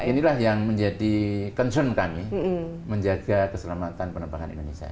dan kami berharap di generasi berikutnya juga tetap menjaga keselamatan penerbangan indonesia